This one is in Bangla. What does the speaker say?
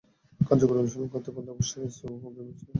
কার্যকর অনুশীলন করতে পারলে অবশ্যই এসএ গেমসে আমরা ভালো করতে পারি।